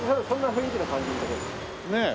そんな雰囲気の感じの所です。